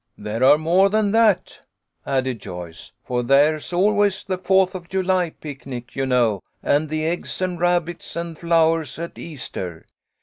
"There are more than that," added Joyce, "for there's always the Fourth of July picnic, you know, and the eggs and rabbits and flowers at Easter."